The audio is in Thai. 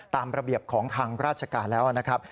ตามระเบียบของทางราชการแล้วนะครับ